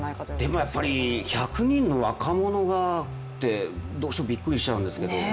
でもやっぱり１００人の若者がってどうしてもびっくりしちゃうんですけど。